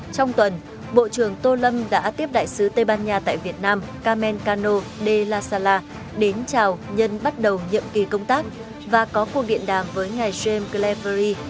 trong tuần bộ trưởng tô lâm đã tiếp đại sứ tây ban nha tại việt nam carmen cano de la sala đến chào nhân bắt đầu nhậm kỳ công tác và có cuộc điện đàm với ngài james clevery